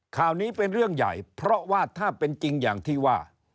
ข่าวนี้เป็นเรื่องใหญ่เพราะว่าถ้าเป็นจริงอย่างที่ว่า